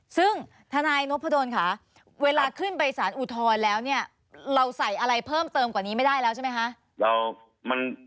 ซึ่งทนายนพดลค่ะเวลาขึ้นไปสารอุทธรณ์แล้วเนี่ยเราใส่อะไรเพิ่มเติมกว่านี้ไม่ได้แล้วใช่ไหมคะ